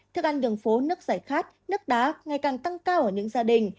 thức ăn đường phố nước giải khát nước đá ngày càng tăng cao ở những gia đình